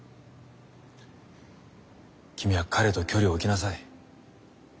君は彼と距離をおきなさい。